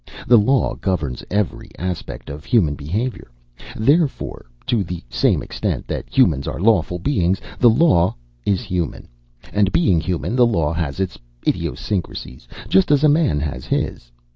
The law governs every aspect of human behavior; therefore, to the same extent that humans are lawful beings, the law is human. And being human, the law has its idiosyncrasies, just as a man has his.